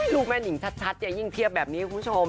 ลูกแม่นิงชัดเนี่ยยิ่งเพียบแบบนี้คุณผู้ชม